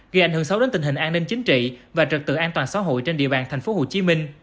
gây ảnh hưởng xấu đến tình hình an ninh chính trị và trật tự an toàn xã hội trên địa bàn tp hcm